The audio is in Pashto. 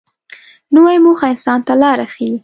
نوې موخه انسان ته لار ښیي